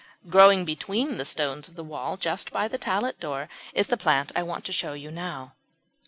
Growing between the stones of the wall just by the tallet door is the plant I want to show you now.